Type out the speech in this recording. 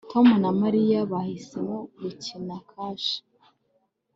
Tom na Mariya bahisemo gukina kashe